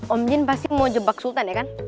om jin pasti mau jebak sultan ya kan